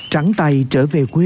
trắng tay trở về quê